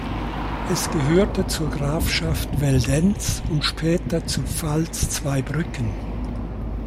Es gehörte zur Grafschaft Veldenz und später zu Pfalz-Zweibrücken.